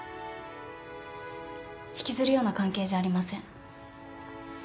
引きずるような関係じゃありません。